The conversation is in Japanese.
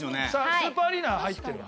スーパーアリーナは入ってるわ。